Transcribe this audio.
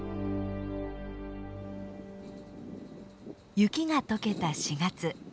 雪が解けた４月。